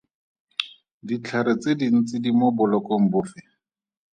Ditlhare tse dintsi di mo bolokong bofe?